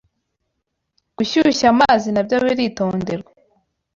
Gushyushya amazi nabyo biritonderwa